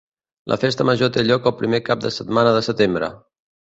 La festa major té lloc el primer cap de setmana de setembre.